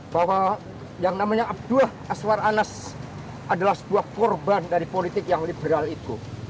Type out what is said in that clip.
bahwa yang namanya abdullah aswar anas adalah sebuah korban dari politik yang liberal itu